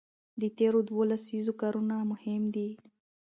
د تېرو دوو لسیزو کارونه مهم دي.